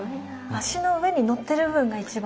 足の上に載ってる部分が一番。